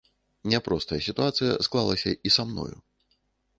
Няпростая сітуацыя склалася і са мною.